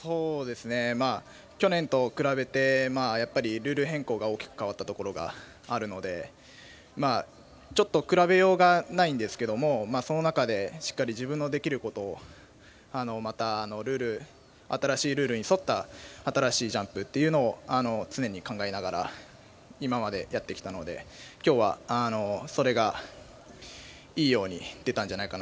去年と比べてルール変更が大きく変わったところがあるのでちょっと比べようがないんですけどもその中で、しっかり自分のできることをまた新しいルールに沿った新しいジャンプっていうのを常に考えながら今までやってきたので今日は、それがいいように出たんじゃないかなと思います。